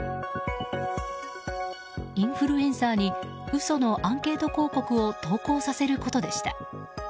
インフルエンサーに嘘のアンケート広告を投稿させることでした。